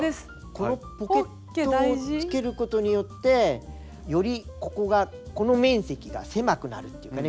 このポケットをつけることによってよりここがこの面積が狭くなるっていうかね。